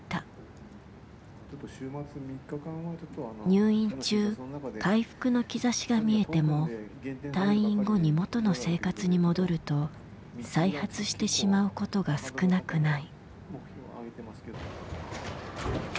入院中回復の兆しが見えても退院後にもとの生活に戻ると再発してしまうことが少なくない。